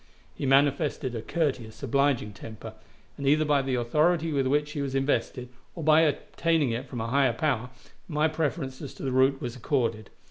He manifested a courteous, obliging temper, and, either by the authority with which he was invested or by obtaining it from a higher power, my preference as to the route was accorded.